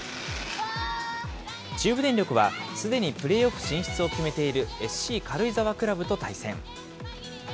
中部電力は、すでにプレーオフ進出を決めているＳＣ軽井沢クラブと対戦。